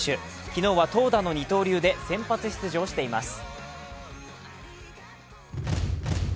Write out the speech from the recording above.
昨日は投打の二刀流で先発出場しています。